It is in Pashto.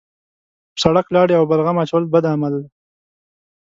په سړک لاړې او بلغم اچول بد عمل دی.